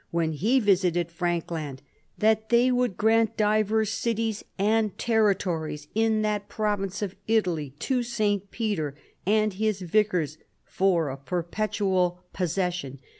when he visited Frankland, that they would grant divers cities and territories' in that province of Italy to St. Peter and his vicars for a perpetual possession.